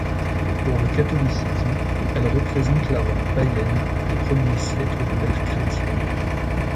Pour le catholicisme, elle représente la Rome païenne des premiers siècles de l'ère chrétienne.